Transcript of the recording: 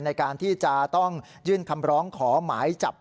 ในการที่จะต้องยื่นคำร้องขอหมายจับ